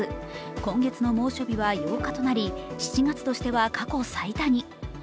今月の猛暑日は８日となり７月としては過去最多に。